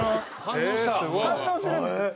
反応するんですよ。